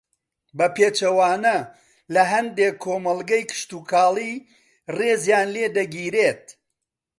بە پێچەوانە لە ھەندێک کۆمەڵگەی کشتوکاڵی ڕێزیان لێدەگیرێت